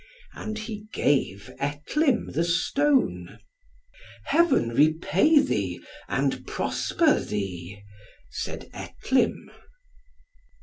And he gave Etlym the stone. "Heaven repay thee and prosper thee," said Etlym.